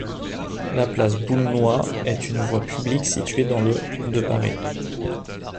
La place Boulnois est une voie publique située dans le de Paris.